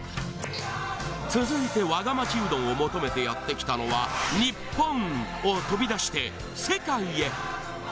続いてわが町うどんを求めてやって来たのは日本を飛び出して世界へ！